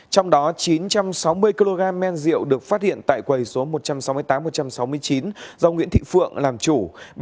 trong đó chín trăm sáu mươi kg men rượu được phát hiện tại quầy số một trăm sáu mươi tám một trăm sáu mươi chín do nguyễn thị phượng làm chủ